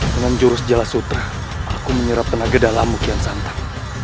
dengan jurus jelas sutra aku menyerap tenaga dalam mukian santan